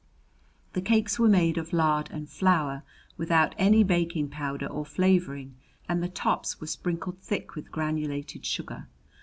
The cakes were made of lard and flour, without any baking powder or flavoring, and the tops were sprinkled thick with granulated sugar.